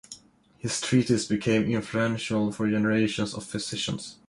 His treatises became influential for generations of physicians.